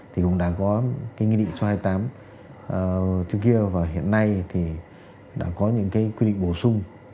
thì cũng đã có cái nghị định số hai mươi tám trước kia và hiện nay thì đã có những cái quy định bổ sung